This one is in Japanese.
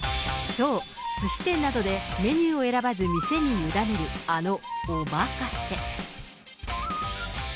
そう、すし店などでメニューを選ばず店に委ねる、あのおまかせ。